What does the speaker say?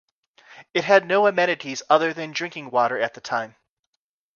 It had no amenities other than drinking water at the time.